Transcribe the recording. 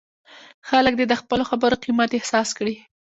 خلک دې د خپلو خبرو قیمت احساس کړي.